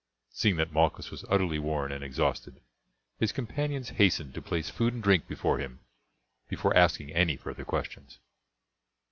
Seeing that Malchus was utterly worn and exhausted his companions hastened to place food and drink before him before asking any further questions.